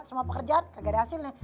semua pekerjaan kagak ada hasil nih